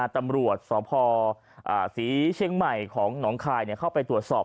ตำรวจสพศรีเชียงใหม่ของหนองคายเข้าไปตรวจสอบ